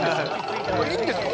いいんですか？